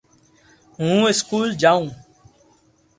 ھون اسڪول جاو